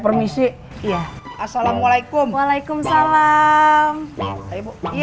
permisi iya assalamualaikum waalaikumsalam ibu